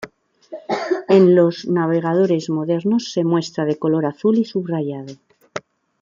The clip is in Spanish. En los navegadores modernos es mostrado de color azul y subrayado.